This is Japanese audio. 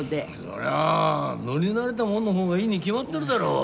そりゃあ乗り慣れたもんのほうがいいに決まってるだろう。